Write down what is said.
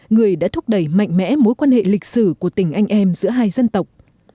người đã thúc đẩy mạnh mẽ mối quan hệ lịch sử của tình anh em giữa hai dân tộc